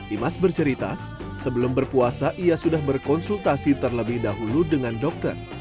imas bercerita sebelum berpuasa ia sudah berkonsultasi terlebih dahulu dengan dokter